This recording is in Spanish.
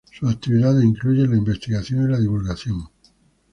Sus actividades incluyen la investigación y la divulgación.